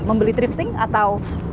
membeli drifting atau